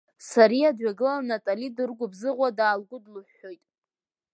Сариа дҩагылан Натали дыргәыбзыӷуа даалгәыдлыҳәҳәоит.